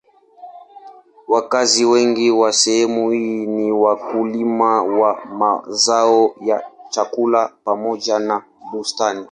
Wakazi wengi wa sehemu hii ni wakulima wa mazao ya chakula pamoja na bustani.